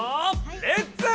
レッツ！